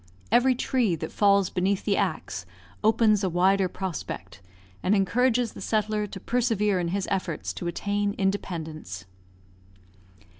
Every tree that falls beneath the axe opens a wider prospect, and encourages the settler to persevere in his efforts to attain independence.